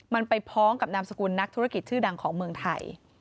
มันไปพ้องกับนามสกุลนักธุรกิจชื่อดังของเมืองไทย